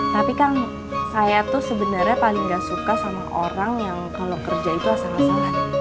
tapi kank saya tuh sebenernya paling gak suka sama orang yang kalo kerja itu asal asalan